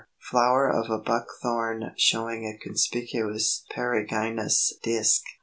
Flower of a Buckthorn showing a conspicuous perigynous disk.